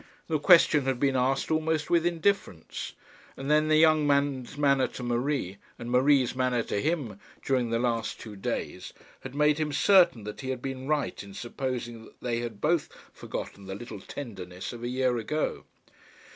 The question had been asked almost with indifference. And then the young man's manner to Marie, and Marie's manner to him, during the last two days had made him certain that he had been right in supposing that they had both forgotten the little tenderness of a year ago.